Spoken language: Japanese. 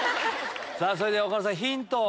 それでは岡村さんヒントを。